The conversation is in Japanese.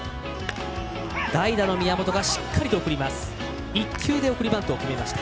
代打の宮本がしっかりと送ります。